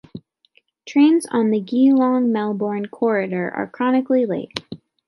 Trains on the Geelong - Melbourne corridor are chronically late.